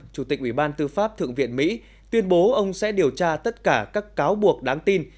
chủ tịch ủy ban tư pháp thượng viện mỹ tuyên bố ông sẽ điều tra tất cả các cáo buộc đáng tin